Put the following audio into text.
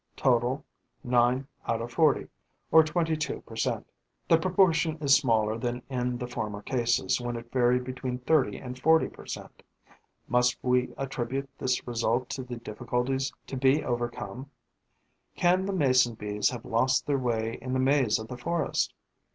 Total: nine out of forty, or twenty two per cent. The proportion is smaller than in the former cases, when it varied between thirty and forty per cent. Must we attribute this result to the difficulties to be overcome? Can the Mason bees have lost their way in the maze of the forest?